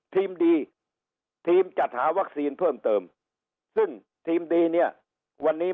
ดีทีมจัดหาวัคซีนเพิ่มเติมซึ่งทีมดีเนี่ยวันนี้